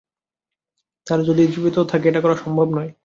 তারা যদি জীবিতও থাকে এটা করা সম্ভব নয়।